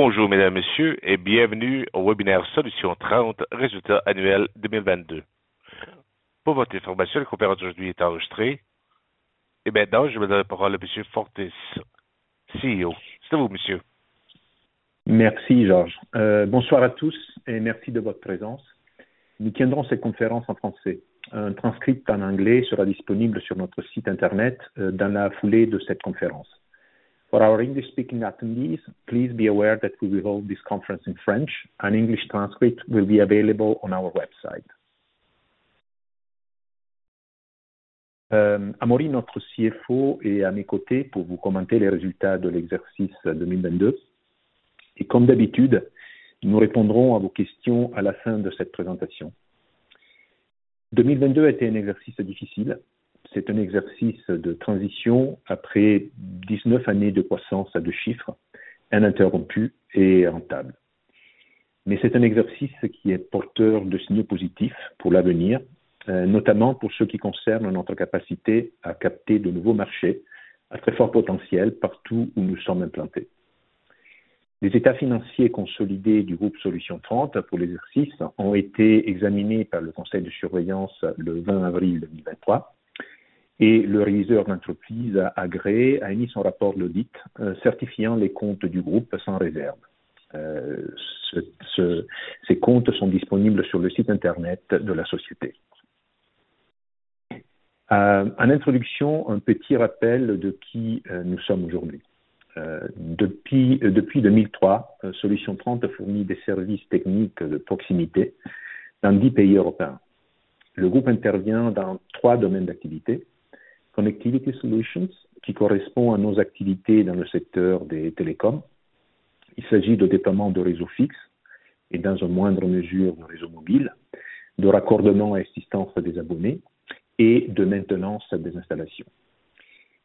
Bonjour Mesdames, Messieurs, et bienvenue au webinaire Solutions 30, résultats annuels 2022. Pour votre information, la conférence d'aujourd'hui est enregistrée. Maintenant, je vais donner la parole à Monsieur Fortes, CEO. C'est à vous, Monsieur. Merci Georges. Bonsoir à tous et merci de votre présence. Nous tiendrons cette conférence en français. Un transcript en anglais sera disponible sur notre site Internet dans la foulée de cette conférence. For our English speaking attendees, please be aware that we will hold this conference in French. An English transcript will be available on our website. Amaury, notre CFO, est à mes côtés pour vous commenter les résultats de l'exercice 2022. Comme d'habitude, nous répondrons à vos questions à la fin de cette présentation. 2022 a été un exercice difficile. C'est un exercice de transition après 19 années de croissance à deux chiffres, ininterrompue et rentable. C'est un exercice qui est porteur de signes positifs pour l'avenir, notamment pour ce qui concerne notre capacité à capter de nouveaux marchés à très fort potentiel partout où nous sommes implantés. Les états financiers consolidés du groupe Solutions 30 pour l'exercice ont été examinés par le conseil de surveillance le 20 avril 2023 et le réviseur d'entreprise agréé a émis son rapport d'audit certifiant les comptes du groupe sans réserve. Ces comptes sont disponibles sur le site Internet de la société. En introduction, un petit rappel de qui nous sommes aujourd'hui. Depuis 2003, Solutions 30 fournit des services techniques de proximité dans 10 pays européens. Le groupe intervient dans three domaines d'activité: Connectivity Solutions, qui correspond à nos activités dans le secteur des telecoms. Il s'agit de déploiement de réseaux fixes et dans une moindre mesure, de réseaux mobiles, de raccordement et assistance des abonnés et de maintenance des installations.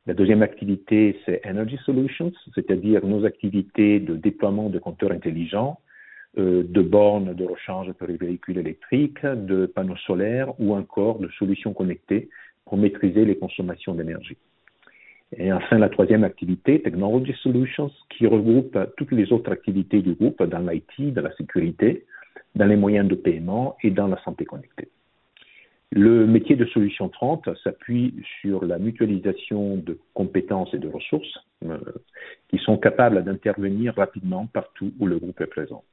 La deuxième activité, c'est Energy Solutions, c'est-à-dire nos activités de déploiement de compteurs intelligents, de bornes de recharge pour les véhicules électriques, de panneaux solaires ou encore de solutions connectées pour maîtriser les consommations d'énergie. Enfin, la troisième activité, Technology Solutions, qui regroupe toutes les autres activités du groupe dans l'IT, dans la sécurité, dans les moyens de paiement et dans la santé connectée. Le métier de Solutions 30 s'appuie sur la mutualisation de compétences et de ressources qui sont capables d'intervenir rapidement partout où le groupe est présent.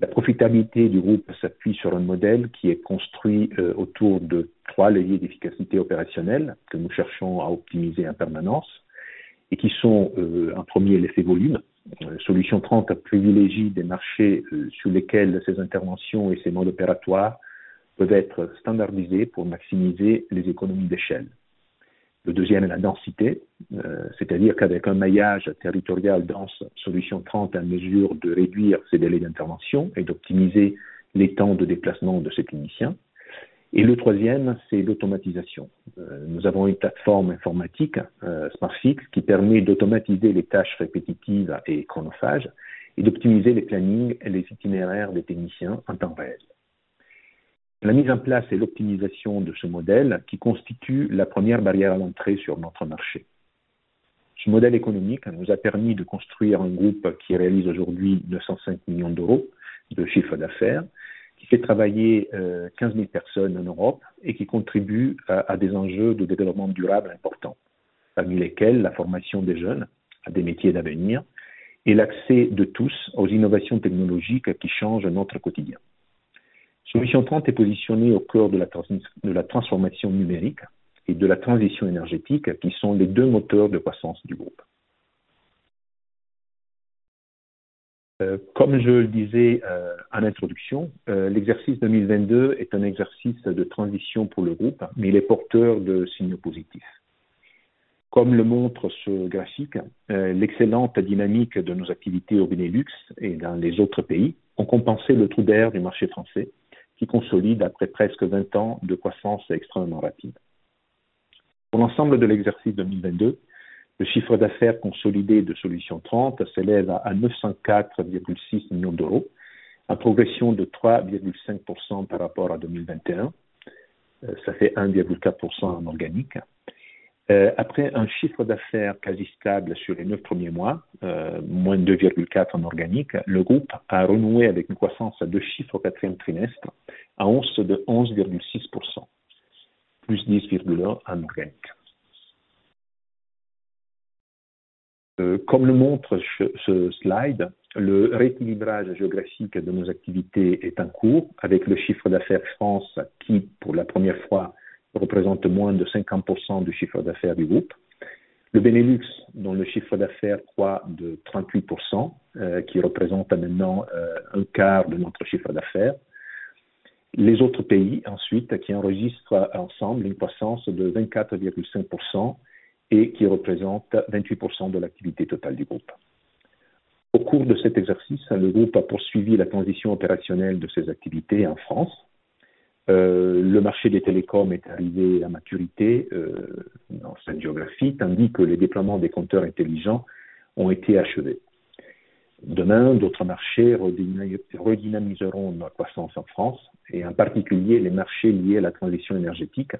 La profitabilité du groupe s'appuie sur un modèle qui est construit autour de trois leviers d'efficacité opérationnelle que nous cherchons à optimiser en permanence et qui sont un premier, l'effet volume. Solutions 30 privilégie des marchés sur lesquels ses interventions et ses modes opératoires peuvent être standardisés pour maximiser les économies d'échelle. Le deuxième est la densité, c'est-à-dire qu'avec un maillage territorial dense, Solutions 30 est en mesure de réduire ses délais d'intervention et d'optimiser les temps de déplacement de ses techniciens. Le troisième, c'est l'automatisation. Nous avons une plateforme informatique, Smartfix, qui permet d'automatiser les tâches répétitives et chronophages et d'optimiser les plannings et les itinéraires des techniciens en temps réel. C'est la mise en place et l'optimisation de ce modèle qui constitue la première barrière à l'entrée sur notre marché. Ce modèle économique nous a permis de construire un groupe qui réalise aujourd'hui 905 million de chiffre d'affaires, qui fait travailler 15,000 personnes en Europe et qui contribue à des enjeux de développement durable importants, parmi lesquels la formation des jeunes à des métiers d'avenir et l'accès de tous aux innovations technologiques qui changent notre quotidien. Solutions 30 est positionné au cœur de la transformation numérique et de la transition énergétique, qui sont les deux moteurs de croissance du Group. Comme je le disais, en introduction, l'exercice 2022 est un exercice de transition pour le Group, mais il est porteur de signes positifs. Comme le montre ce graphique, l'excellente dynamique de nos activités au Benelux et dans les autres pays ont compensé le trou d'air du marché French, qui consolide après presque 20 ans de croissance extrêmement rapide. Pour l'ensemble de l'exercice 2022, le chiffre d'affaires consolidé de Solutions 30 s'élève à 904.6 million, en progression de 3.5% par rapport à 2021. Ça fait 1.4% en organique. Après un chiffre d'affaires quasi stable sur les neuf premiers mois, -2.4% en organique, le groupe a renoué avec une croissance à deux chiffres au quatrième trimestre, à 11.6%, +10.1% en organique. Comme le montre ce slide, le rééquilibrage géographique de nos activités est en cours avec le chiffre d'affaires France qui, pour la première fois, représente moins de 50% du chiffre d'affaires du groupe. Le Benelux, dont le chiffre d'affaires croît de 38%, qui représente maintenant un quart de notre chiffre d'affaires. Les autres pays, ensuite, qui enregistrent ensemble une croissance de 24.5% et qui représentent 28% de l'activité totale du groupe. Au cours de cet exercice, le groupe a poursuivi la transition opérationnelle de ses activités en France. Le marché des telecoms est arrivé à maturité dans cette géographie, tandis que les déploiements des compteurs intelligents ont été achevés. Demain, d'autres marchés redynamiseront notre croissance en France et en particulier les marchés liés à la transition énergétique,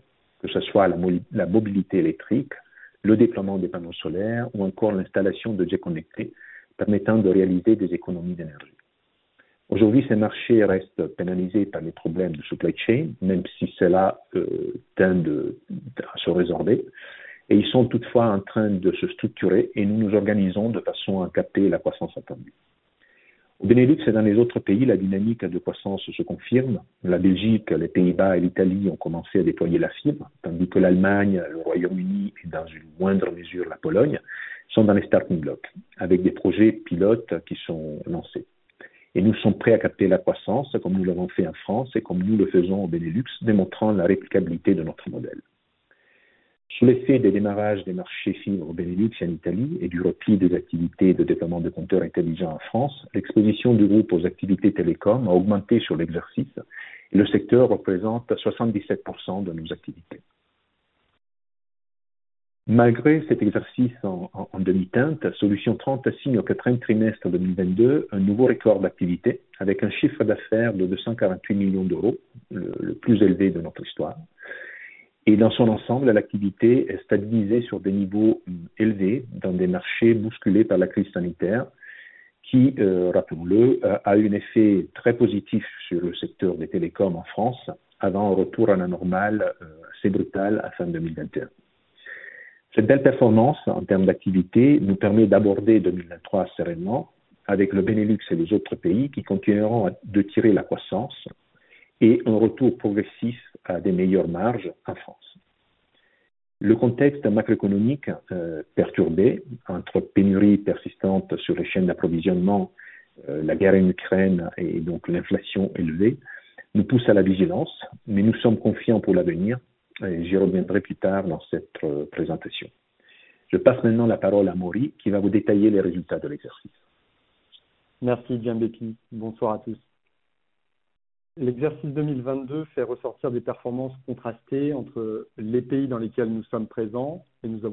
que ce soit la mobilité électrique, le déploiement des panneaux solaires ou encore l'installation de jets connectés permettant de réaliser des économies d'énergie. Aujourd'hui, ces marchés restent pénalisés par les problèmes de supply chain, même si cela tend à se résorber. Ils sont toutefois en train de se structurer et nous nous organisons de façon à capter la croissance attendue. Au Benelux et dans les autres pays, la dynamique de croissance se confirme. La Belgique, les Pays-Bas et l'Italie ont commencé à déployer la fibre, tandis que l'Allemagne, le Royaume-Uni et dans une moindre mesure la Pologne sont dans les starting blocks avec des projets pilotes qui sont lancés. Nous sommes prêts à capter la croissance comme nous l'avons fait en France et comme nous le faisons au Benelux, démontrant la réplicabilité de notre modèle. Sous l'effet des démarrages des marchés fibre au Benelux et en Italie et du repli des activités de déploiement de compteurs intelligents en France, l'exposition du groupe aux activités télécoms a augmenté sur l'exercice et le secteur représente 77% de nos activités. Malgré cet exercice en demi-teinte, Solutions 30 signe au quatrième trimestre 2022 un nouveau record d'activité avec un chiffre d'affaires de 248 million, le plus élevé de notre histoire. Dans son ensemble, l'activité est stabilisée sur des niveaux élevés dans des marchés bousculés par la crise sanitaire qui, rappelons-le, a eu un effet très positif sur le secteur des telecoms en France avant un retour à la normale assez brutal fin 2021. Cette belle performance en termes d'activité nous permet d'aborder 2023 sereinement avec le Benelux et les autres pays qui continueront à de tirer la croissance et un retour progressif à des meilleures marges en France. Le contexte macroéconomique, perturbé entre pénurie persistante sur les chaînes d'approvisionnement, la guerre en Ukraine et donc l'inflation élevée nous pousse à la vigilance, mais nous sommes confiants pour l'avenir et j'y reviendrai plus tard dans cette présentation. Je passe maintenant la parole à Maury, qui va vous détailler les résultats de l'exercice. Merci Gianbetti. Bonsoir à tous. L'exercice 2022 fait ressortir des performances contrastées entre les pays dans lesquels nous sommes présents et nous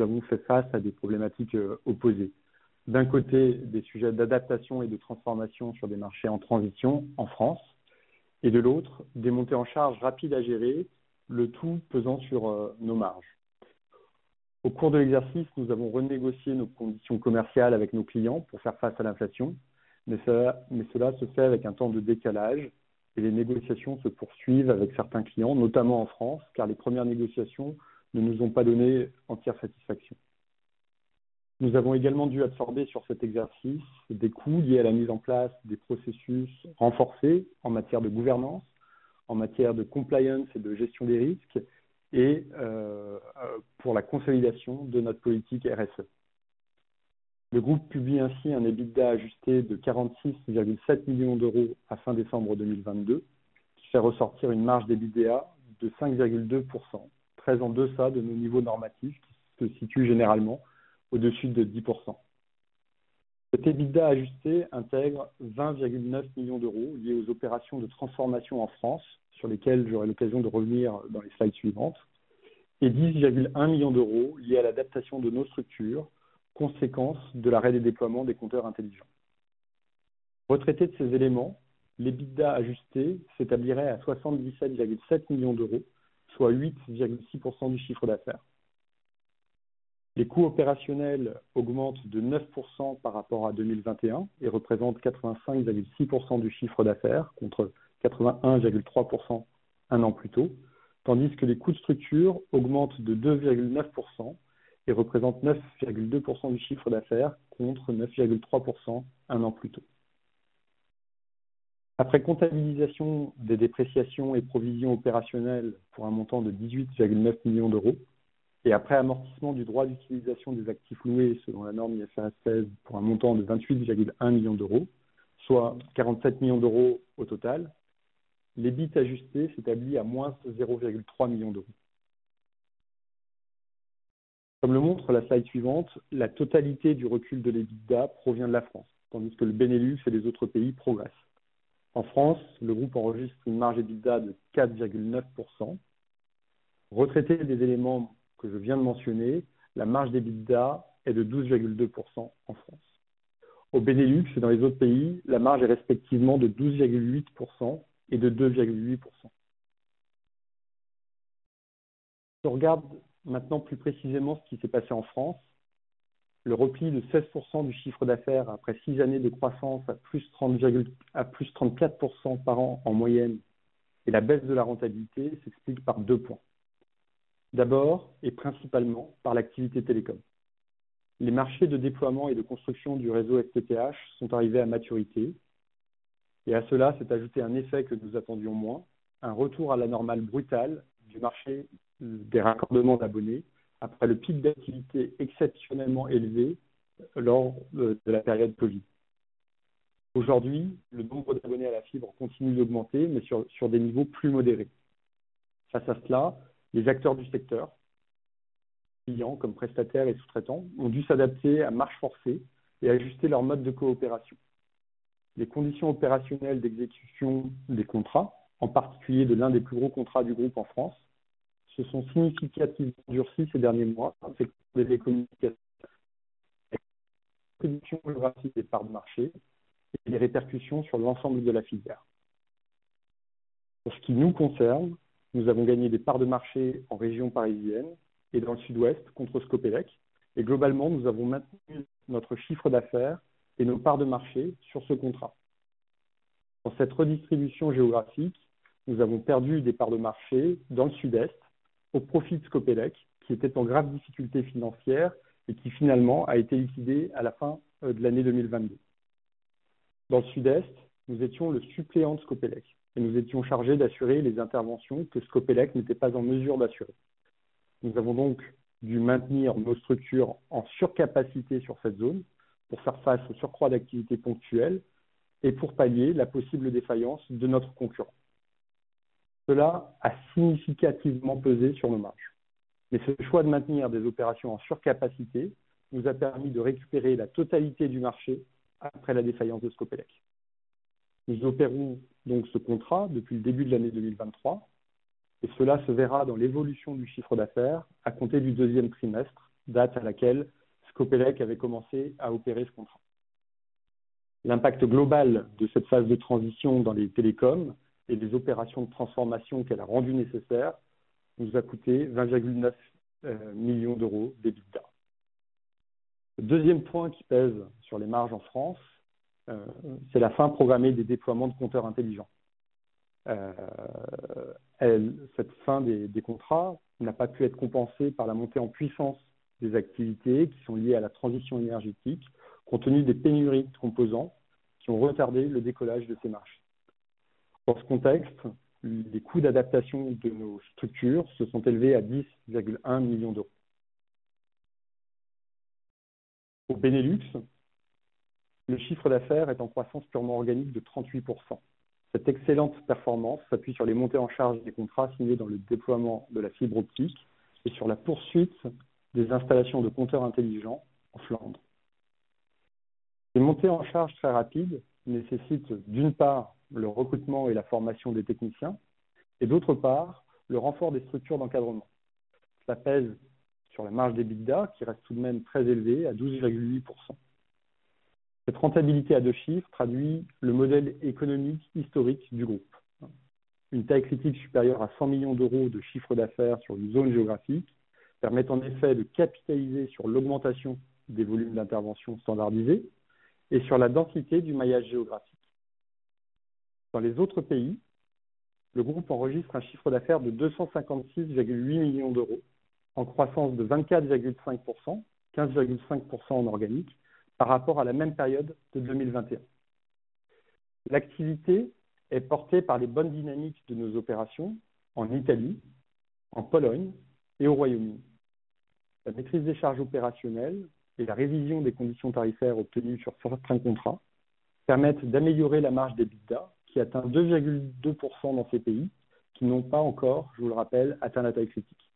avons fait face à des problématiques opposées. D'un côté, des sujets d'adaptation et de transformation sur des marchés en transition en France et de l'autre, des montées en charge rapides à gérer, le tout pesant sur nos marges. Au cours de l'exercice, nous avons renégocié nos conditions commerciales avec nos clients pour faire face à l'inflation, mais cela se fait avec un temps de décalage et les négociations se poursuivent avec certains clients, notamment en France, car les premières négociations ne nous ont pas donné entière satisfaction. Nous avons également dû absorber sur cet exercice des coûts liés à la mise en place des processus renforcés en matière de gouvernance, en matière de compliance et de gestion des risques et pour la consolidation de notre politique RSE. Le groupe publie ainsi un EBITDA ajusté de 46.7 million fin December 2022, qui fait ressortir une marge d'EBITDA de 5.2%, très en deçà de nos niveaux normatifs qui se situent généralement au-dessus de 10%. Cet EBITDA ajusté intègre 20.9 million liés aux opérations de transformation en France, sur lesquelles j'aurai l'occasion de revenir dans les slides suivantes, et 10.1 million liés à l'adaptation de nos structures, conséquence de l'arrêt des déploiements des compteurs intelligents. Retraités de ces éléments, l'EBITDA ajusté s'établirait à 77.7 million, soit 8.6% du chiffre d'affaires. Les coûts opérationnels augmentent de 9% par rapport à 2021 et représentent 85.6% du chiffre d'affaires contre 81.3% un an plus tôt, tandis que les coûts de structure augmentent de 2.9% et représentent 9.2% du chiffre d'affaires contre 9.3% un an plus tôt. Après comptabilisation des dépréciations et provisions opérationnelles pour un montant de 18.9 million et après amortissement du droit d'utilisation des actifs loués selon la norme IFRS 16 pour un montant de 28.1 million, soit 47 million au total, l'EBIT ajusté s'établit à -EUR 0.3 million. Comme le montre la slide suivante, la totalité du recul de l'EBITDA provient de la France, tandis que le Benelux et les autres pays progressent. En France, le groupe enregistre une marge EBITDA de 4.9%. Retraitée des éléments que je viens de mentionner, la marge d'EBITDA est de 12.2% en France. Au Benelux et dans les autres pays, la marge est respectivement de 12.8% et de 2.8%. On regarde maintenant plus précisément ce qui s'est passé en France, le repli de 16% du chiffre d'affaires après six années de croissance à plus 34% par an en moyenne et la baisse de la rentabilité s'explique par deux points. D'abord, principalement, par l'activité telecom. Les marchés de déploiement et de construction du réseau FTTH sont arrivés à maturité. À cela s'est ajouté un effet que nous attendions moins, un retour à la normale brutal du marché des raccordements d'abonnés après le pic d'activité exceptionnellement élevé lors de la période Covid. Aujourd'hui, le nombre d'abonnés à la fibre continue d'augmenter, mais sur des niveaux plus modérés. Face à cela, les acteurs du secteur, clients comme prestataires et sous-traitants, ont dû s'adapter à marche forcée et ajuster leur mode de coopération. Les conditions opérationnelles d'exécution des contrats, en particulier de l'un des plus gros contrats du groupe en France, se sont significativement durcies ces derniers mois avec des communications, une redistribution géographique des parts de marché et des répercussions sur l'ensemble de la filière. En ce qui nous concerne, nous avons gagné des parts de marché en région parisienne et dans le Sud-Ouest contre Scopelec. Globalement, nous avons maintenu notre chiffre d'affaires et nos parts de marché sur ce contrat. Dans cette redistribution géographique, nous avons perdu des parts de marché dans le Sud-Est au profit de Scopelec, qui était en grave difficulté financière et qui, finalement, a été liquidé à la fin de l'année 2022. Dans le Sud-Est, nous étions le suppléant de Scopelec et nous étions chargés d'assurer les interventions que Scopelec n'était pas en mesure d'assurer. Nous avons donc dû maintenir nos structures en surcapacité sur cette zone pour faire face aux surcroît d'activités ponctuelles et pour pallier la possible défaillance de notre concurrent. Cela a significativement pesé sur nos marges, ce choix de maintenir des opérations en surcapacité nous a permis de récupérer la totalité du marché après la défaillance de Scopelec. Nous opérons ce contrat depuis le début de l'année 2023 et cela se verra dans l'évolution du chiffre d'affaires à compter du second quarter, date à laquelle Scopelec avait commencé à opérer ce contrat. L'impact global de cette phase de transition dans les télécoms et des opérations de transformation qu'elle a rendues nécessaires nous a coûté 20.9 million d'EBITDA. Le deuxième point qui pèse sur les marges en France, c'est la fin programmée des déploiements de compteurs intelligents. Cette fin des contrats n'a pas pu être compensée par la montée en puissance des activités qui sont liées à la transition énergétique, compte tenu des pénuries de composants qui ont retardé le décollage de ces marchés. Dans ce contexte, les coûts d'adaptation de nos structures se sont élevés à 10.1 million. Au Benelux, le chiffre d'affaires est en croissance purement organique de 38%. Cette excellente performance s'appuie sur les montées en charge des contrats signés dans le déploiement de la fibre optique et sur la poursuite des installations de compteurs intelligents en Flandre. Les montées en charge très rapides nécessitent, d'une part, le recrutement et la formation des techniciens et, d'autre part, le renfort des structures d'encadrement. Cela pèse sur la marge d'EBITDA, qui reste tout de même très élevée, à 12.8%. Cette rentabilité à two digits traduit le modèle économique historique du groupe. Une taille critique supérieure à 100 million de chiffre d'affaires sur une zone géographique permet en effet de capitaliser sur l'augmentation des volumes d'interventions standardisées et sur la densité du maillage géographique. Dans les autres pays, le groupe enregistre un chiffre d'affaires de 256.8 million, en croissance de 24.5%, 15.5% en organique par rapport à la même période de 2021. L'activité est portée par les bonnes dynamiques de nos opérations en Italie, en Pologne et au Royaume-Uni. La maîtrise des charges opérationnelles et la révision des conditions tarifaires obtenues sur certains contrats permettent d'améliorer la marge d'EBITDA, qui atteint 2.2% dans ces pays qui n'ont pas encore, je vous le rappelle, atteint la taille critique.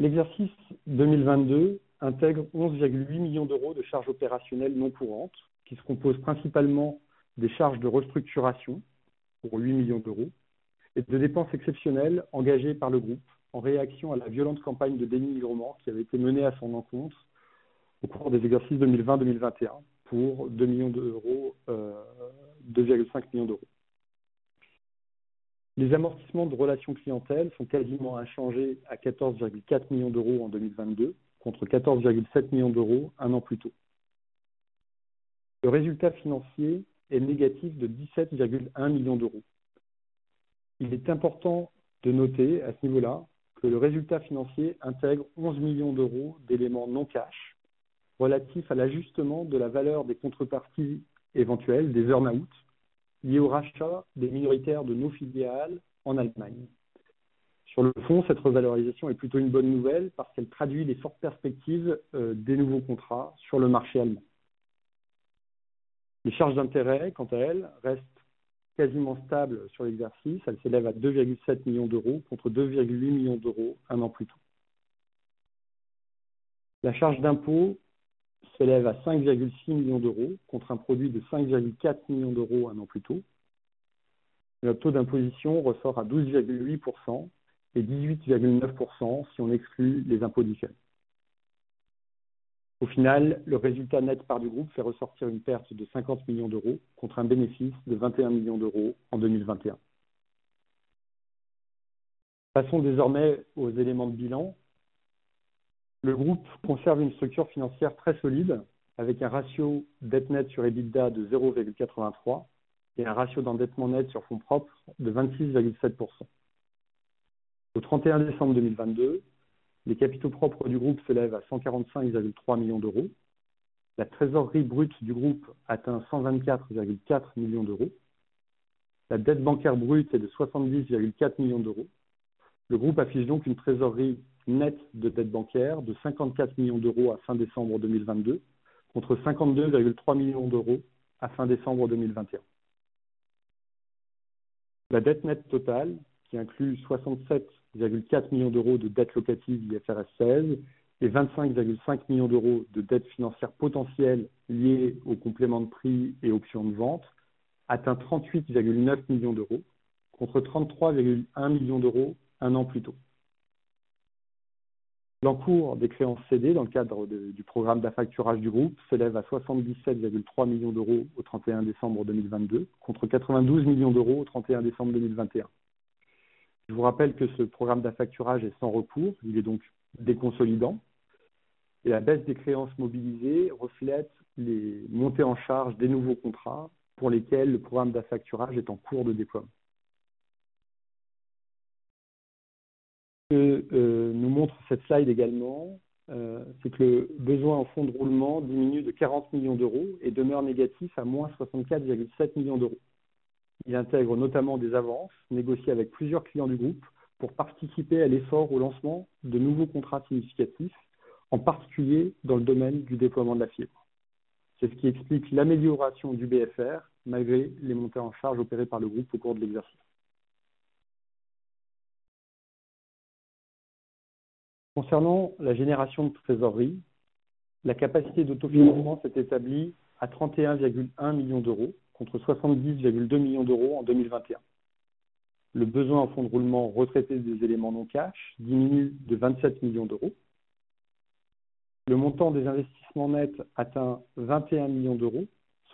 L'exercice 2022 intègre 11.8 million de charges opérationnelles non courantes qui se composent principalement des charges de restructuration pour 8 million et de dépenses exceptionnelles engagées par le groupe en réaction à la violente campagne de dénigrement qui avait été menée à son encontre au cours des exercices 2020, 2021, pour EUR 2 million, 2.5 million. Les amortissements de relations clientèles sont quasiment inchangés à 14.4 million en 2022, contre 14.7 million un an plus tôt. Le résultat financier est négatif de 17.1 million. Il est important de noter à ce niveau-là que le résultat financier intègre 11 million d'éléments non cash relatifs à l'ajustement de la valeur des contreparties éventuelles des earn-out liés au rachat des minoritaires de No Fiber All en Allemagne. Sur le fond, cette revalorisation est plutôt une bonne nouvelle parce qu'elle traduit les fortes perspectives des nouveaux contrats sur le marché allemand. Les charges d'intérêts, quant à elles, restent quasiment stables sur l'exercice. Elles s'élèvent à 2.7 million contre 2.8 million un an plus tôt. La charge d'impôt s'élève à 5.6 million, contre un produit de 5.4 million un an plus tôt. Le taux d'imposition ressort à 12.8% et 18.9% si on exclut les impôts différés. Le résultat net part du groupe fait ressortir une perte de 50 million contre un bénéfice de 21 million en 2021. Désormais aux éléments de bilan. Le groupe conserve une structure financière très solide avec un ratio dette nette sur EBITDA de 0.83 et un ratio d'endettement net sur fonds propres de 26.7%. Au 31 décembre 2022, les capitaux propres du groupe s'élèvent à 145.3 million. La trésorerie brute du groupe atteint 124.4 million. La dette bancaire brute est de 70.4 million. Le groupe affiche une trésorerie nette de dette bancaire de 54 million à fin December 2022, contre 52.3 million à fin December 2021. La dette nette totale, qui inclut 67.4 million de dettes locatives d'IFRS 16 et 25.5 million de dettes financières potentielles liées au complément de prix et options de vente, atteint 38.9 million contre 33.1 million un an plus tôt. L'encours des créances cédées dans le cadre du programme d'affacturage du groupe s'élève à 77.3 million au 31 December 2022, contre 92 million au 31 December 2021. Je vous rappelle que ce programme d'affacturage est sans recours, il est donc déconsolidant. La baisse des créances mobilisées reflète les montées en charge des nouveaux contrats pour lesquels le programme d'affacturage est en cours de déploiement. Ce que nous montre cette slide également, c'est que le besoin en fonds de roulement diminue de 40 million et demeure négatif à minus 64.7 million. Il intègre notamment des avances négociées avec plusieurs clients du groupe pour participer à l'effort au lancement de nouveaux contrats significatifs, en particulier dans le domaine du déploiement de la fiber. C'est ce qui explique l'amélioration du BFR malgré les montées en charge opérées par le groupe au cours de l'exercice. Concernant la génération de trésorerie, la capacité d'autofinancement s'établit à 31.1 million, contre 70.2 million en 2021. Le besoin en fonds de roulement retraité des éléments non cash diminue de 27 million. Le montant des investissements nets atteint 21 million,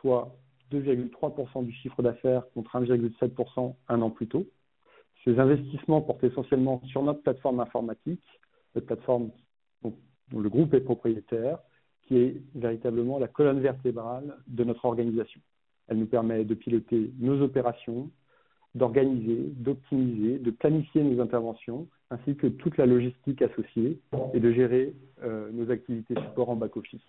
soit 2.3% du chiffre d'affaires, contre 1.7% un an plus tôt. Ces investissements portent essentiellement sur notre plateforme informatique, la plateforme dont le groupe est propriétaire, qui est véritablement la colonne vertébrale de notre organisation. Elle nous permet de piloter nos opérations, d'organiser, d'optimiser, de planifier nos interventions ainsi que toute la logistique associée et de gérer nos activités support en back-office.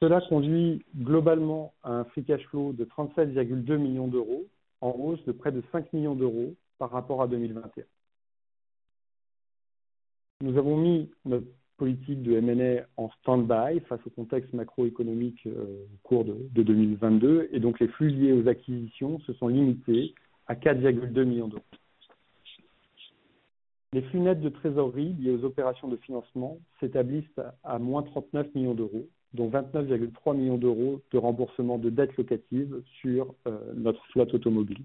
Cela conduit globalement à un free cash flow de 37.2 million en hausse de près de 5 million par rapport à 2021. Nous avons mis notre politique de M&A en stand-by face au contexte macroéconomique au cours de 2022 et donc les flux liés aux acquisitions se sont limités à 4.2 million. Les flux nets de trésorerie liés aux opérations de financement s'établissent à moins 39 million, dont 29.3 million de remboursement de dettes locatives sur notre flotte automobile.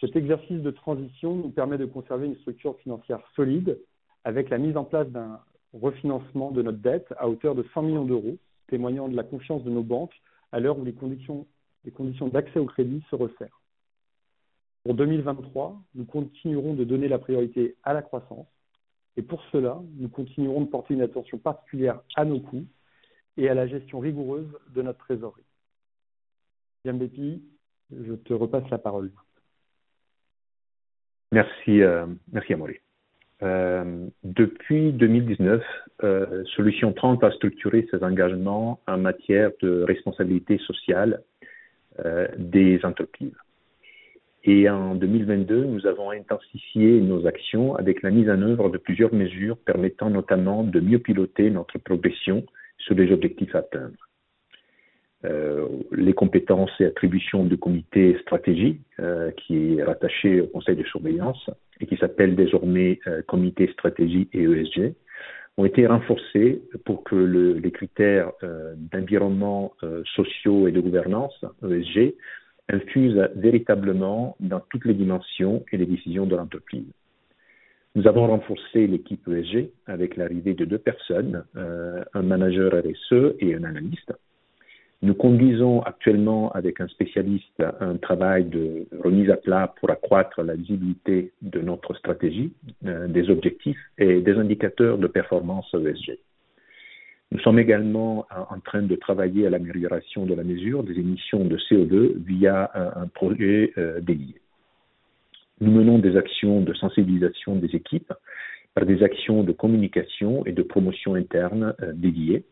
Cet exercice de transition nous permet de conserver une structure financière solide avec la mise en place d'un refinancement de notre dette à hauteur de 100 million, témoignant de la confiance de nos banques à l'heure où les conditions d'accès au crédit se resserrent. Pour 2023, nous continuerons de donner la priorité à la croissance pour cela, nous continuerons de porter une attention particulière à nos coûts et à la gestion rigoureuse de notre trésorerie. Gianbeppi, je te repasse la parole. Merci, merci Amaury. Depuis 2019, Solutions 30 a structuré ses engagements en matière de responsabilité sociale des entreprises. En 2022, nous avons intensifié nos actions avec la mise en œuvre de plusieurs mesures permettant notamment de mieux piloter notre progression sur les objectifs à atteindre. Les compétences et attributions du comité stratégie, qui est rattaché au conseil de surveillance et qui s'appelle désormais Comité Stratégie et ESG, ont été renforcées pour que les critères d'environnement sociaux et de gouvernance, ESG, infusent véritablement dans toutes les dimensions et les décisions de l'entreprise. Nous avons renforcé l'équipe ESG avec l'arrivée de 2 personnes, un manager RSE et un analyste. Nous conduisons actuellement avec un spécialiste un travail de remise à plat pour accroître la visibilité de notre stratégie, des objectifs et des indicateurs de performance ESG. Nous sommes également en train de travailler à l'amélioration de la mesure des émissions de CO2 via un projet dédié. Nous menons des actions de sensibilisation des équipes par des actions de communication et de promotion interne dédiées.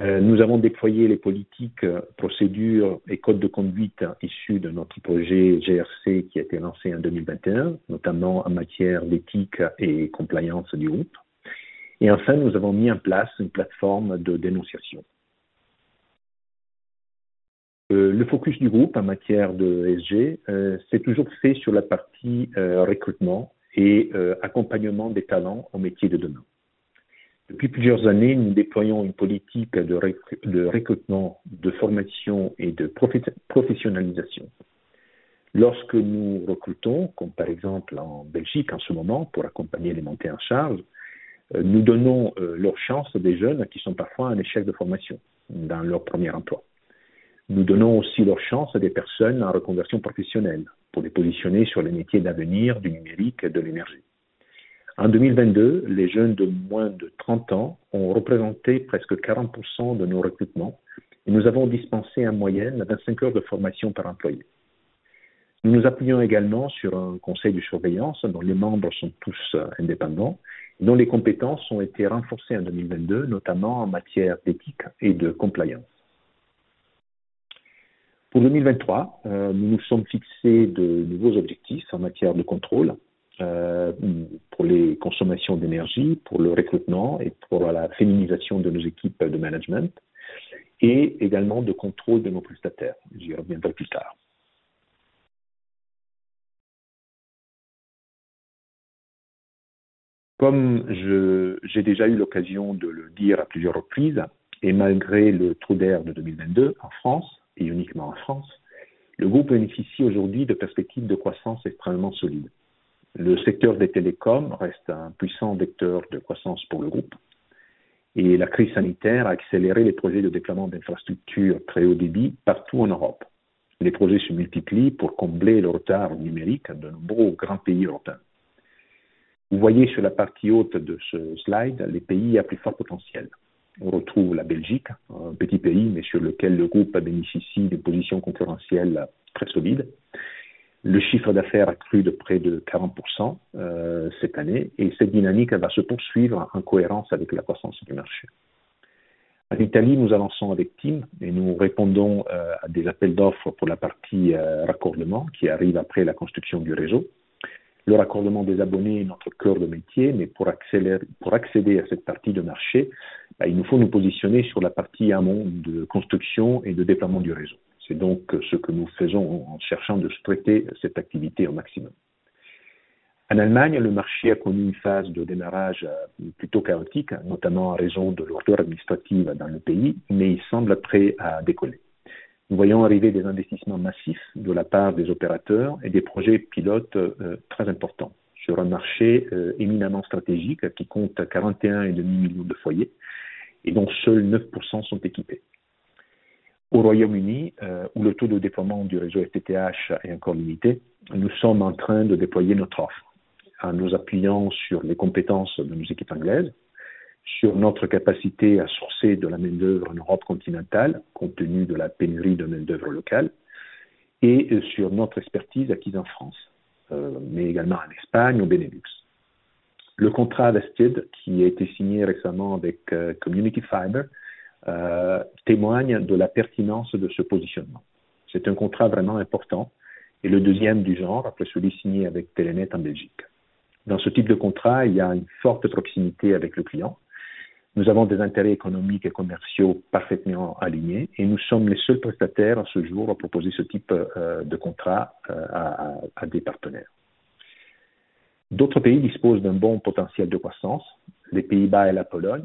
Nous avons déployé les politiques, procédures et codes de conduite issus de notre projet GRC qui a été lancé en 2021, notamment en matière d'éthique et compliance du groupe. Enfin, nous avons mis en place une plateforme de dénonciation. Le focus du groupe en matière de ESG, s'est toujours fait sur la partie recrutement et accompagnement des talents aux métiers de demain. Depuis plusieurs années, nous déployons une politique de recrutement, de formation et de professionnalisation. Lorsque nous recrutons, comme par exemple en Belgique en ce moment, pour accompagner les montées en charge, nous donnons leur chance à des jeunes qui sont parfois en échec de formation dans leur premier emploi. Nous donnons aussi leur chance à des personnes en reconversion professionnelle pour les positionner sur les métiers d'avenir du numérique et de l'énergie. En 2022, les jeunes de moins de 30 ans ont représenté presque 40% de nos recrutements et nous avons dispensé en moyenne 25 heures de formation par employé. Nous nous appuyons également sur un conseil de surveillance dont les membres sont tous indépendants, dont les compétences ont été renforcées en 2022, notamment en matière d'éthique et de compliance. Pour 2023, nous nous sommes fixés de nouveaux objectifs en matière de contrôle, pour les consommations d'énergie, pour le recrutement et pour la féminisation de nos équipes de management et également de contrôle de nos prestataires. J'y reviendrai plus tard. Comme j'ai déjà eu l'occasion de le dire à plusieurs reprises, et malgré le trou d'air de 2022 en France et uniquement en France, le groupe bénéficie aujourd'hui de perspectives de croissance extrêmement solides. Le secteur des télécoms reste un puissant vecteur de croissance pour le groupe et la crise sanitaire a accéléré les projets de déploiement d'infrastructures très haut débit partout en Europe. Les projets se multiplient pour combler le retard numérique de nombreux grands pays European. Vous voyez sur la partie haute de ce slide les pays à plus fort potentiel. On retrouve la Belgium, un petit pays, mais sur lequel le groupe bénéficie d'une position concurrentielle très solide. Le chiffre d'affaires a cru de près de 40% cette année et cette dynamique va se poursuivre en cohérence avec la croissance du marché. En Italy, nous avançons avec TIM et nous répondons à des appels d'offres pour la partie raccordement qui arrive après la construction du réseau. Le raccordement des abonnés est notre cœur de métier, mais pour accéder à cette partie de marché, il nous faut nous positionner sur la partie amont de construction et de déploiement du réseau. C'est donc ce que nous faisons en cherchant de sous-traiter cette activité au maximum. En Allemagne, le marché a connu une phase de démarrage plutôt chaotique, notamment en raison de la lourdeur administrative dans le pays. Il semble prêt à décoller. Nous voyons arriver des investissements massifs de la part des opérateurs et des projets pilotes très importants sur un marché éminemment stratégique qui compte 41.5 millions de foyers et dont seuls 9% sont équipés. Au Royaume-Uni, où le taux de déploiement du réseau FTTH est encore limité, nous sommes en train de déployer notre offre en nous appuyant sur les compétences de nos équipes anglaises, sur notre capacité à sourcer de la main-d'œuvre en Europe continentale, compte tenu de la pénurie de main-d'œuvre locale et sur notre expertise acquise en France. Également en Espagne, au Bénélux. Le contrat Vested, qui a été signé récemment avec Community Fibre, témoigne de la pertinence de ce positionnement. C'est un contrat vraiment important et le deuxième du genre après celui signé avec Telenet en Belgique. Dans ce type de contrat, il y a une forte proximité avec le client. Nous avons des intérêts économiques et commerciaux parfaitement alignés et nous sommes les seuls prestataires à ce jour à proposer ce type de contrat à des partenaires. D'autres pays disposent d'un bon potentiel de croissance, les Pays-Bas et la Pologne,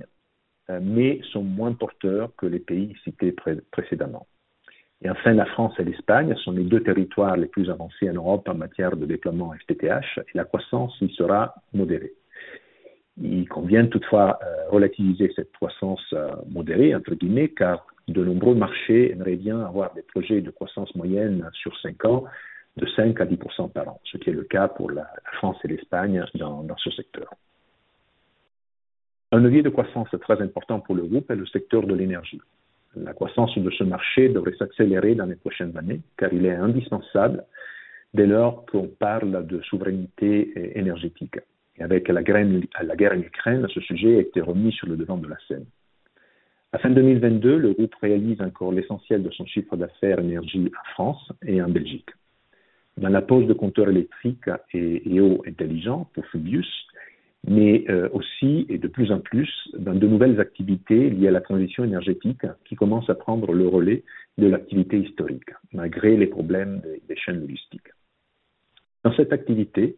mais sont moins porteurs que les pays cités précédemment. Enfin, la France et l'Espagne sont les deux territoires les plus avancés en Europe en matière de déploiement FTTH et la croissance y sera modérée. Il convient toutefois à relativiser cette croissance modérée, entre guillemets, car de nombreux marchés aimeraient bien avoir des projets de croissance moyenne sur 5 ans de 5%-10% par an, ce qui est le cas pour la France et l'Espagne dans ce secteur. Un levier de croissance très important pour le groupe est le secteur de l'énergie. La croissance de ce marché devrait s'accélérer dans les prochaines années, car il est indispensable dès lors qu'on parle de souveraineté énergétique. Avec la guerre en Ukraine, ce sujet a été remis sur le devant de la scène. À fin 2022, le groupe réalise encore l'essentiel de son chiffre d'affaires énergie en France et en Belgique. Dans la pose de compteurs électriques et eaux intelligents pour Fluvius, mais aussi et de plus en plus dans de nouvelles activités liées à la transition énergétique qui commencent à prendre le relais de l'activité historique malgré les problèmes des chaînes logistiques. Dans cette activité,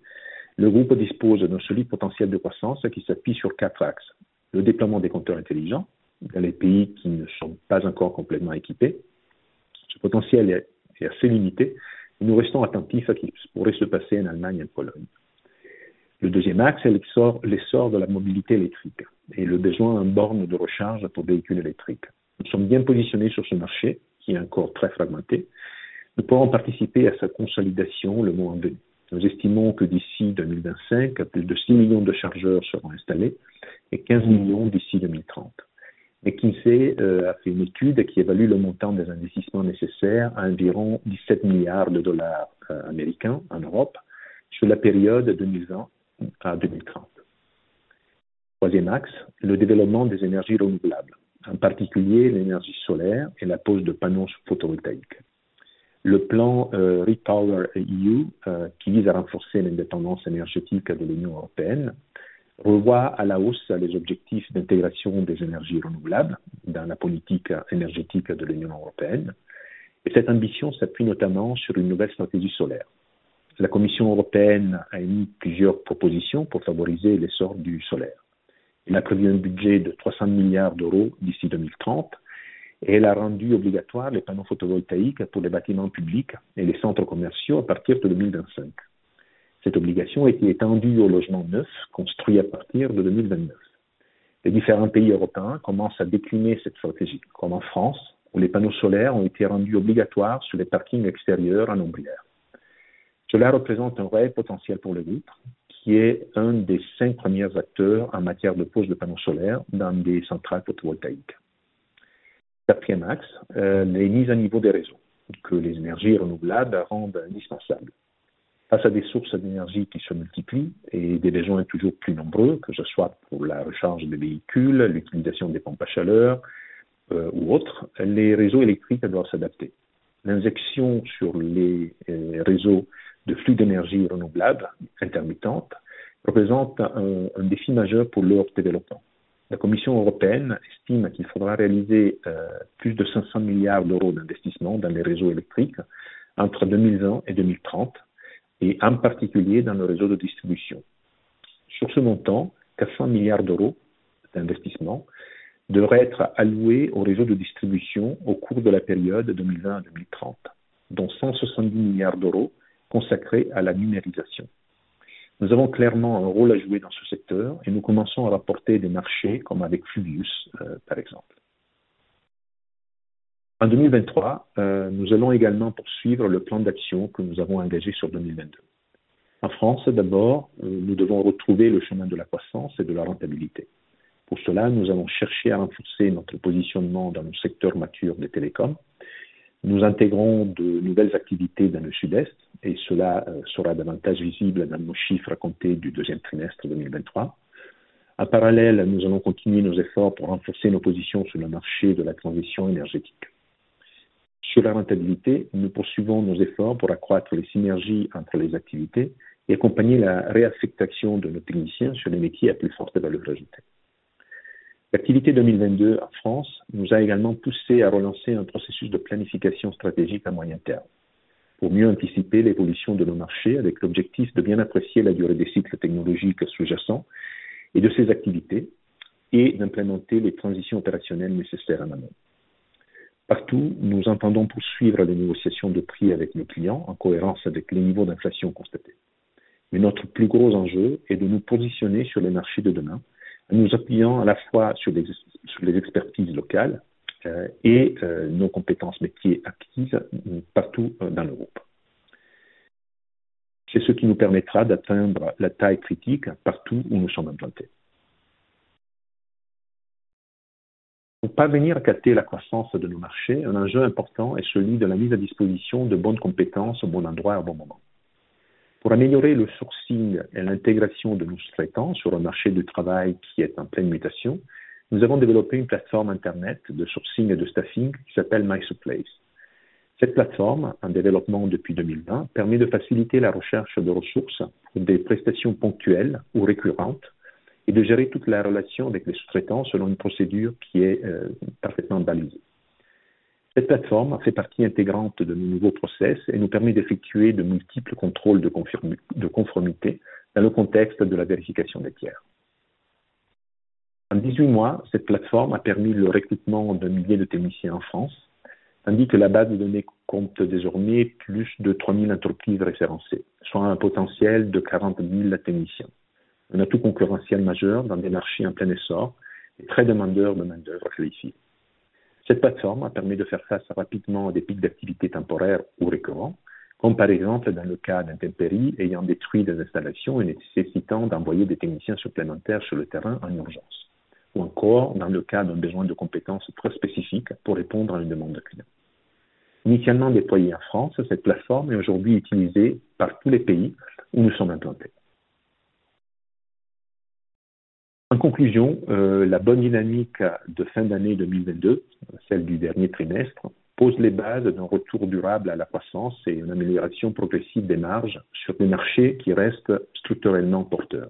le groupe dispose d'un solide potentiel de croissance qui s'appuie sur quatre axes: le déploiement des compteurs intelligents dans les pays qui ne sont pas encore complètement équipés. Ce potentiel est assez limité et nous restons attentifs à ce qui pourrait se passer en Allemagne et en Pologne. Le deuxième axe, c'est l'essor de la mobilité électrique et le besoin en bornes de recharge pour véhicules électriques. Nous sommes bien positionnés sur ce marché qui est encore très fragmenté. Nous pourrons participer à sa consolidation le moment venu. Nous estimons que d'ici 2025, plus de 6 million de chargeurs seront installés et 15 million d'ici 2030. McKinsey a fait une étude qui évalue le montant des investissements nécessaires à environ $17 billion en Europe sur la période 2020 à 2030. Troisième axe: le développement des énergies renouvelables, en particulier l'énergie solaire et la pose de panneaux photovoltaïques. Le plan REPowerEU, qui vise à renforcer l'indépendance énergétique de l'Union européenne, revoit à la hausse les objectifs d'intégration des énergies renouvelables dans la politique énergétique de l'Union européenne. Cette ambition s'appuie notamment sur une nouvelle stratégie solaire. La Commission européenne a émis plusieurs propositions pour favoriser l'essor du solaire. Elle a prévu un budget de 300 billion d'ici 2030 et elle a rendu obligatoires les panneaux photovoltaïques pour les bâtiments publics et les centres commerciaux à partir de 2025. Cette obligation a été étendue aux logements neufs construits à partir de 2029. Les différents pays européens commencent à décliner cette stratégie, comme en France, où les panneaux solaires ont été rendus obligatoires sur les parkings extérieurs en ombrière. Cela représente un réel potentiel pour le groupe, qui est un des cinq premiers acteurs en matière de pose de panneaux solaires dans des centrales photovoltaïques. Quatrième axe, les mises à niveau des réseaux que les énergies renouvelables rendent indispensables. Face à des sources d'énergie qui se multiplient et des besoins toujours plus nombreux, que ce soit pour la recharge des véhicules, l'utilisation des pompes à chaleur, ou autres, les réseaux électriques doivent s'adapter. L'injection sur les réseaux de flux d'énergie renouvelable intermittente représente un défi majeur pour leur développement. La Commission européenne estime qu'il faudra réaliser plus de 500 billion d'investissements dans les réseaux électriques entre 2020 et 2030, et en particulier dans le réseau de distribution. Sur ce montant, 400 billion d'investissements devraient être alloués au réseau de distribution au cours de la période 2020-2030, dont 170 billion consacrés à la numérisation. Nous avons clairement un rôle à jouer dans ce secteur et nous commençons à rapporter des marchés comme avec Fluvius, par exemple. En 2023, nous allons également poursuivre le plan d'action que nous avons engagé sur 2022. En France d'abord, nous devons retrouver le chemin de la croissance et de la rentabilité. Pour cela, nous avons cherché à renforcer notre positionnement dans le secteur mature des télécoms. Nous intégrons de nouvelles activités dans le Sud-Est et cela sera davantage visible dans nos chiffres comptés du deuxième trimestre 2023. En parallèle, nous allons continuer nos efforts pour renforcer nos positions sur le marché de la transition énergétique. Sur la rentabilité, nous poursuivons nos efforts pour accroître les synergies entre les activités et accompagner la réaffectation de nos techniciens sur les métiers à plus forte valeur ajoutée. L'activité 2022 en France nous a également poussés à relancer un processus de planification stratégique à moyen terme pour mieux anticiper l'évolution de nos marchés avec l'objectif de bien apprécier la durée des cycles technologiques sous-jacents et de ses activités et d'implémenter les transitions opérationnelles nécessaires en amont. Partout, nous entendons poursuivre les négociations de prix avec nos clients en cohérence avec les niveaux d'inflation constatés. Notre plus gros enjeu est de nous positionner sur les marchés de demain en nous appuyant à la fois sur les expertises locales et nos compétences métiers acquises partout dans le groupe. C'est ce qui nous permettra d'atteindre la taille critique partout où nous sommes implantés. Pour parvenir à capter la croissance de nos marchés, un enjeu important est celui de la mise à disposition de bonnes compétences au bon endroit, au bon moment. Pour améliorer le sourcing et l'intégration de nos sous-traitants sur un marché du travail qui est en pleine mutation, nous avons développé une plateforme Internet de sourcing et de staffing qui s'appelle mySupplace. Cette plateforme, en développement depuis 2020, permet de faciliter la recherche de ressources pour des prestations ponctuelles ou récurrentes et de gérer toute la relation avec les sous-traitants selon une procédure qui est parfaitement balisée. Cette plateforme fait partie intégrante de nos nouveaux process et nous permet d'effectuer de multiples contrôles de conformité dans le contexte de la vérification des tiers. En 18 months, cette plateforme a permis le recrutement d'un 1,000 de techniciens en France, tandis que la base de données compte désormais plus de 3,000 entreprises référencées, soit un potentiel de 40,000 techniciens. Un atout concurrentiel majeur dans des marchés en plein essor et très demandeurs de main-d'œuvre qualifiée. Cette plateforme a permis de faire face rapidement à des pics d'activité temporaires ou récurrents, comme par exemple dans le cas d'intempéries ayant détruit des installations et nécessitant d'envoyer des techniciens supplémentaires sur le terrain en urgence, ou encore dans le cas d'un besoin de compétences très spécifiques pour répondre à une demande client. Initialement déployée en France, cette plateforme est aujourd'hui utilisée par tous les pays où nous sommes implantés. En conclusion, la bonne dynamique de fin d'année 2022, celle du dernier trimestre, pose les bases d'un retour durable à la croissance et une amélioration progressive des marges sur des marchés qui restent structurellement porteurs.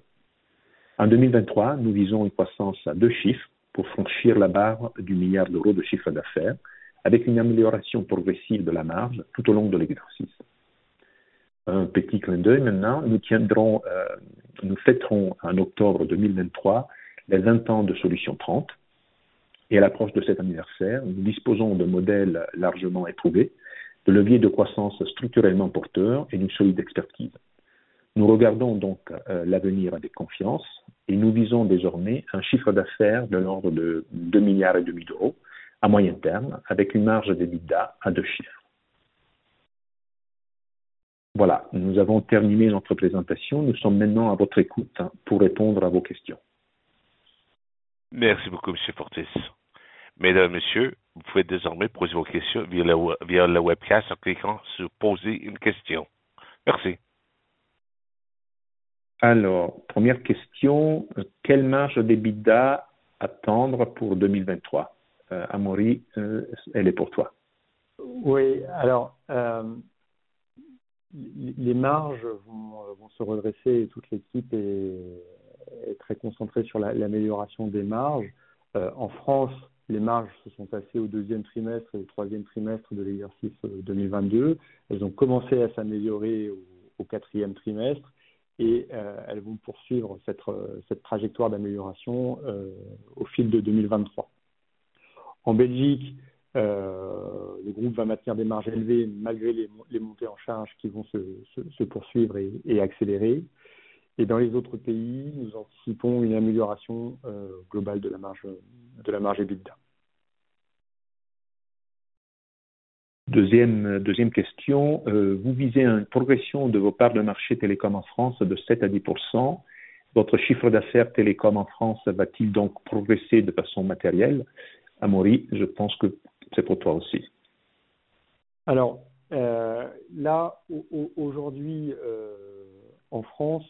En 2023, nous visons une croissance à deux chiffres pour franchir la barre du 1 billion de chiffre d'affaires avec une amélioration progressive de la marge tout au long de l'exercice. Un petit clin d'œil maintenant, nous tiendrons, nous fêterons en October 2023 les 20 ans de Solutions 30 et à l'approche de cet anniversaire, nous disposons de modèles largement éprouvés, de leviers de croissance structurellement porteurs et d'une solide expertise. Nous regardons donc l'avenir avec confiance et nous visons désormais un chiffre d'affaires de l'ordre de 2.5 billion à moyen terme, avec une marge d'EBITDA à two digits. Voilà, nous avons terminé notre présentation. Nous sommes maintenant à votre écoute pour répondre à vos questions. Merci beaucoup, monsieur Fortis. Mesdames et Messieurs, vous pouvez désormais poser vos questions via le webcast en cliquant sur Poser une question. Merci. Première question: quelle marge d'EBITDA attendre pour 2023? Amaury, elle est pour toi. Oui, alors, les marges vont se redresser et toute l'équipe est très concentrée sur l'amélioration des marges. En France, les marges se sont passées au deuxième trimestre et au troisième trimestre de l'exercice 2022. Elles ont commencé à s'améliorer au quatrième trimestre et elles vont poursuivre cette trajectoire d'amélioration au fil de 2023. En Belgique, le groupe va maintenir des marges élevées malgré les montées en charge qui vont se poursuivre et accélérer. Dans les autres pays, nous anticipons une amélioration globale de la marge EBITDA. Deuxième question, vous visez une progression de vos parts de marché telecoms en France de 7%-10%. Votre chiffre d'affaires telecoms en France va-t-il donc progresser de façon matérielle? Amaury, je pense que c'est pour toi aussi. Là, aujourd'hui en France,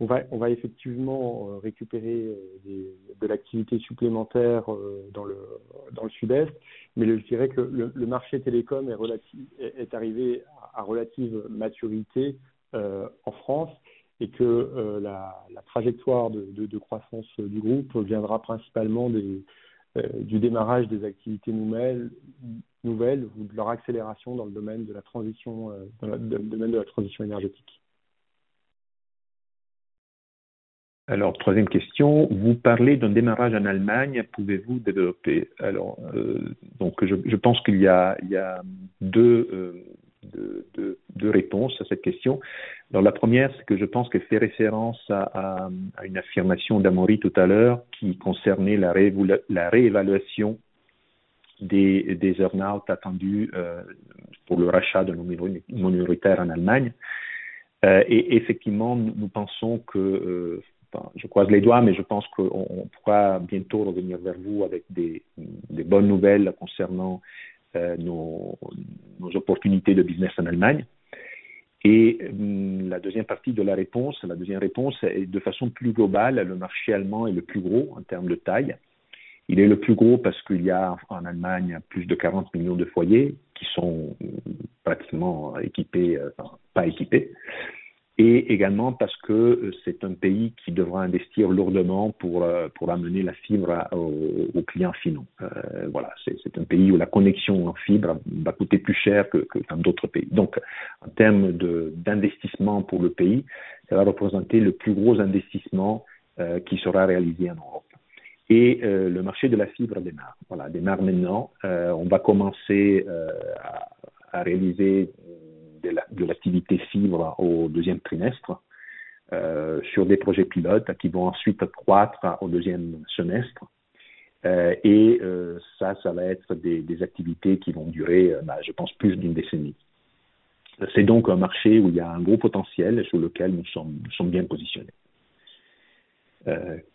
on va effectivement récupérer de l'activité supplémentaire dans le Sud-Est, mais je dirais que le marché télécom est arrivé à relative maturité en France et que la trajectoire de croissance du groupe viendra principalement du démarrage des activités nouvelles ou de leur accélération dans le domaine de la transition énergétique. Troisième question: Vous parlez d'un démarrage en Allemagne, pouvez-vous développer? Je pense qu'il y a deux réponses à cette question. La première, c'est que je pense qu'elle fait référence à une affirmation d'Amaury tout à l'heure qui concernait la réévaluation des earn-out attendus pour le rachat de nos minoritaires en Allemagne. Effectivement, nous pensons que enfin, je croise les doigts, mais je pense qu'on pourra bientôt revenir vers vous avec des bonnes nouvelles concernant nos opportunités de business en Allemagne. La deuxième partie de la réponse, la deuxième réponse est de façon plus globale, le marché allemand est le plus gros en termes de taille. Il est le plus gros parce qu'il y a en Allemagne plus de 40 million de foyers qui sont pratiquement équipés, enfin pas équipés. Également parce que c'est un pays qui devra investir lourdement pour amener la fiber aux clients finaux. C'est un pays où la connexion en fiber va coûter plus cher que dans d'autres pays. En termes d'investissement pour le pays, ça va représenter le plus gros investissement qui sera réalisé en Europe. Le marché de la fiber démarre. Démarre maintenant. On va commencer à réaliser de l'activité fiber au second quarter sur des projets pilotes qui vont ensuite croître au second half. Ça va être des activités qui vont durer, je pense, plus d'une décennie. C'est donc un marché où il y a un gros potentiel sur lequel nous sommes bien positionnés.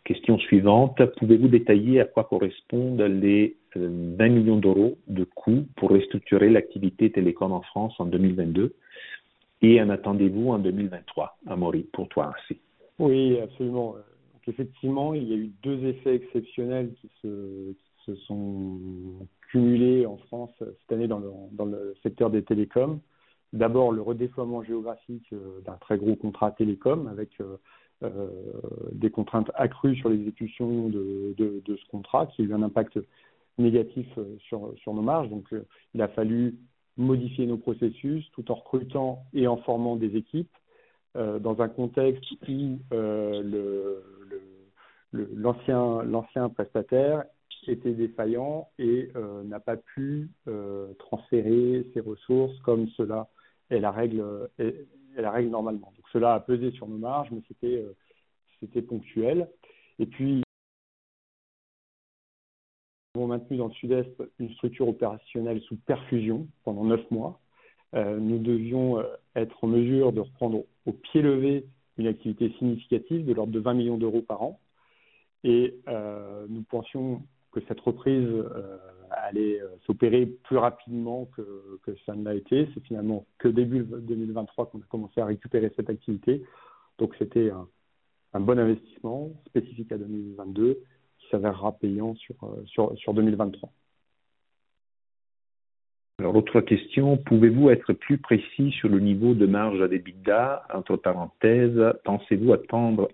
Question suivante: Pouvez-vous détailler à quoi correspondent les 20 million de coûts pour restructurer l'activité télécom en France en 2022? En attendez-vous en 2023? Amaury, pour toi aussi. Oui, absolument. Effectivement, il y a eu deux effets exceptionnels qui se sont cumulés en France cette année dans le secteur des telecoms. D'abord, le redéploiement géographique d'un très gros contrat telecom avec des contraintes accrues sur l'exécution de ce contrat qui a eu un impact négatif sur nos marges. Il a fallu modifier nos processus tout en recrutant et en formant des équipes dans un contexte où l'ancien prestataire était défaillant et n'a pas pu transférer ses ressources comme cela est la règle normalement. Cela a pesé sur nos marges, mais c'était ponctuel. Nous avons maintenu dans le Sud-Est une structure opérationnelle sous perfusion pendant 9 mois. Nous devions être en mesure de reprendre au pied levé une activité significative de l'ordre de 20 million par an. Nous pensions que cette reprise allait s'opérer plus rapidement que ça n'a été. C'est finalement que début 2023 qu'on a commencé à récupérer cette activité. C'était un bon investissement spécifique à 2022 qui s'avèrera payant sur 2023. Autre question: Pouvez-vous être plus précis sur le niveau de marge d'EBITDA? Entre parenthèses: Pensez-vous atteindre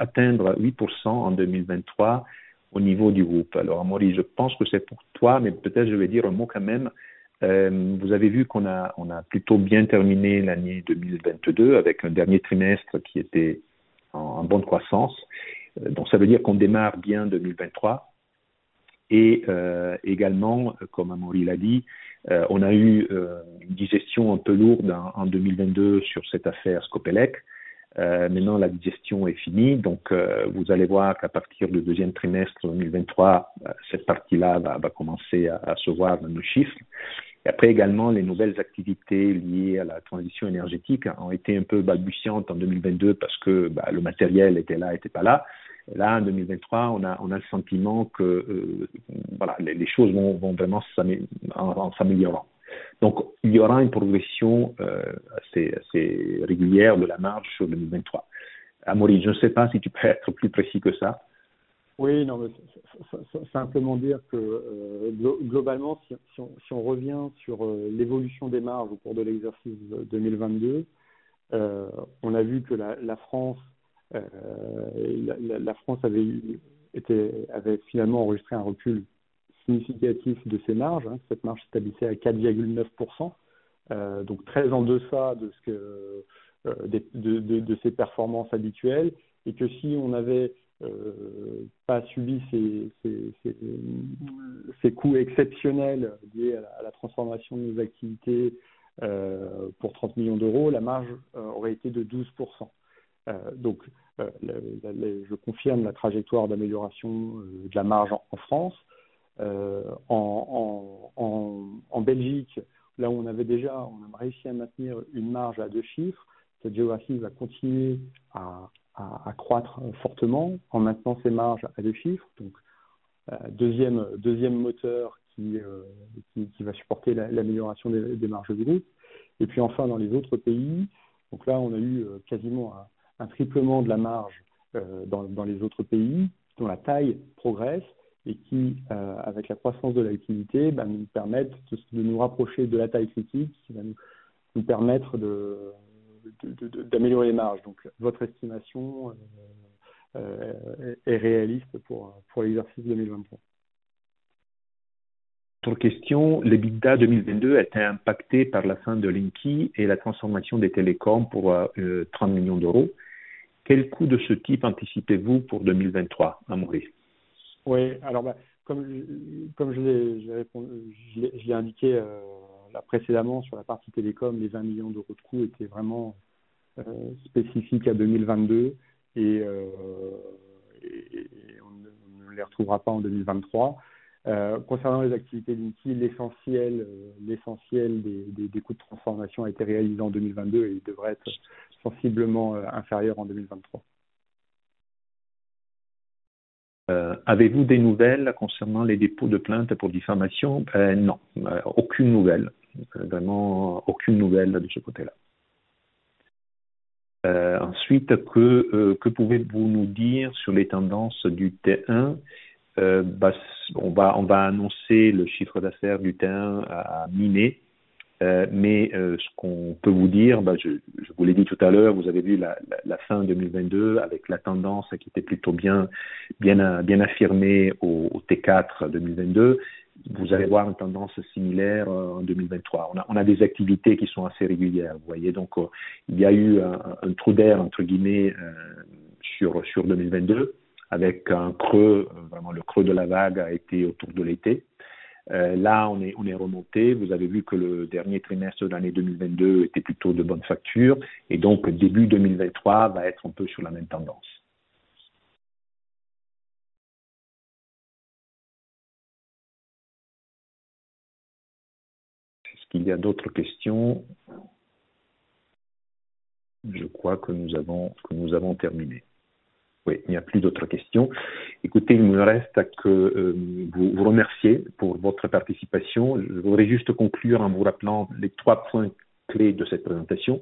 8% en 2023 au niveau du groupe? Amaury, je pense que c'est pour toi, mais peut-être, je vais dire un mot quand même. Vous avez vu qu'on a plutôt bien terminé l'année 2022 avec un dernier trimestre qui était en bonne croissance. Ça veut dire qu'on démarre bien 2023. Également, comme Amaury l'a dit, on a eu une digestion un peu lourde en 2022 sur cette affaire Scopelec. Maintenant, la digestion est finie. Vous allez voir qu'à partir du 2e trimestre 2023, cette partie-là va commencer à se voir dans nos chiffres. Également, les nouvelles activités liées à la transition énergétique ont été un peu balbutiantes en 2022 parce que ben le matériel était là, était pas là. Là, en 2023, on a le sentiment que voilà, les choses vont vraiment en s'améliorant. Il y aura une progression assez régulière de la marge sur 2023. Amaury, je ne sais pas si tu peux être plus précis que ça. Non, mais simplement dire que globalement, si on, si on revient sur l'évolution des marges au cours de l'exercice 2022, on a vu que la France avait finalement enregistré un recul significatif de ses marges. Cette marge se stabilisait à 4.9%, donc très en deçà de ce que de ses performances habituelles et que si on n'avait pas subi ces coûts exceptionnels liés à la transformation de nos activités pour 30 million, la marge aurait été de 12%. Donc je confirme la trajectoire d'amélioration de la marge en France. En Belgique, là où on avait déjà, on a réussi à maintenir une marge à two digits. Cette géographie va continuer à croître fortement en maintenant ces marges à deux chiffres. Deuxième moteur qui va supporter l'amélioration des marges du groupe. Enfin, dans les autres pays. Là, on a eu quasiment un triplement de la marge dans les autres pays dont la taille progresse et qui, avec la croissance de l'activité, ben nous permettent de nous rapprocher de la taille critique qui va nous permettre d'améliorer les marges. Votre estimation est réaliste pour l'exercice 2023. Autre question: l'EBITDA 2022 a été impacté par la fin de Linky et la transformation des telecoms pour 30 million. Quel coût de ce type anticipez-vous pour 2023? À Maurice. Comme je l'ai indiqué, précédemment sur la partie télécom, les EUR 20 million de coût étaient vraiment spécifiques à 2022. On ne les retrouvera pas en 2023. Concernant les activités Linky, l'essentiel des coûts de transformation a été réalisé en 2022 et devrait être sensiblement inférieur en 2023. Avez-vous des nouvelles concernant les dépôts de plaintes pour diffamation? Non, aucune nouvelle. Vraiment aucune nouvelle de ce côté-là. Ensuite, que pouvez-vous nous dire sur les tendances du T1? On va annoncer le chiffre d'affaires du T1 à mi-mai. Ce qu'on peut vous dire, je vous l'ai dit tout à l'heure, vous avez vu la fin 2022 avec la tendance qui était plutôt bien affirmée au T4 2022. Vous allez voir une tendance similaire en 2023. On a des activités qui sont assez régulières, vous voyez. Il y a eu un trou d'air entre guillemets sur 2022 avec un creux, vraiment le creux de la vague a été autour de l'été. Là, on est remonté. Vous avez vu que le dernier trimestre de l'année 2022 était plutôt de bonne facture et donc début 2023 va être un peu sur la même tendance. Est-ce qu'il y a d'autres questions? Je crois que nous avons terminé. Oui, il n'y a plus d'autres questions. Écoutez, il me reste que vous remercier pour votre participation. Je voudrais juste conclure en vous rappelant les trois points clés de cette présentation.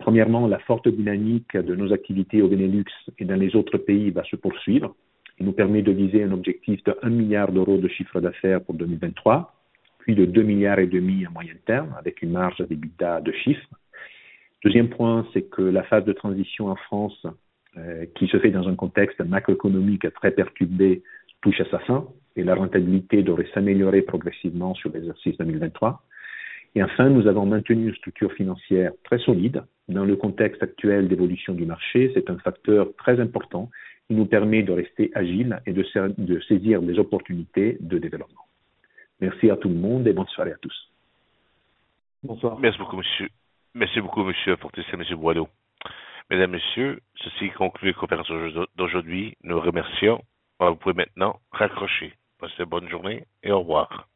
Premièrement, la forte dynamique de nos activités au Benelux et dans les autres pays va se poursuivre. Elle nous permet de viser un objectif de 1 billion de chiffre d'affaires pour 2023, puis de 2.5 billion à moyen terme avec une marge d'EBITDA à two-digit. Deuxième point, c'est que la phase de transition en France, qui se fait dans un contexte macroéconomique très perturbé, touche à sa fin et la rentabilité devrait s'améliorer progressivement sur l'exercice 2023. Enfin, nous avons maintenu une structure financière très solide. Dans le contexte actuel d'évolution du marché, c'est un facteur très important qui nous permet de rester agiles et de saisir des opportunités de développement. Merci à tout le monde et bonne soirée à tous. Bonsoir. Merci beaucoup, monsieur. Merci beaucoup, Monsieur Fortis, Monsieur Boilot. Mesdames et Messieurs, ceci conclut la conférence d'aujourd'hui. Nous vous remercions. Vous pouvez maintenant raccrocher. Passez une bonne journée et au revoir